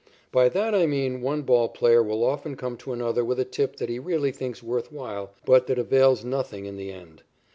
By that, I mean one ball player will often come to another with a tip that he really thinks worth while, but that avails nothing in the end.